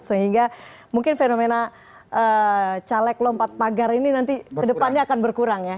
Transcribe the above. sehingga mungkin fenomena caleg lompat pagar ini nanti kedepannya akan berkurang ya